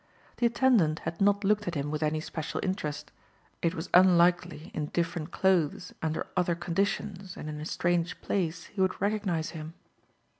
The attendant had not looked at him with any special interest. It was unlikely in different clothes, under other conditions and in a strange place he would recognize him.